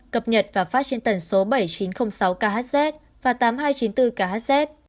cập nhật và phát trên tần số bảy nghìn chín trăm linh sáu khz và tám nghìn hai trăm chín mươi bốn khz